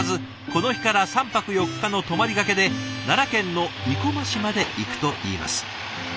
この日から３泊４日の泊まりがけで奈良県の生駒市まで行くといいます。